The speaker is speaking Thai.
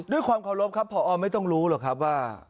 ด้วยความเคารพครับพอไม่ต้องรู้หรอกครับว่า